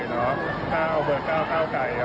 รู้อื่นก็ค่าวคือเก้าใกล้เก้า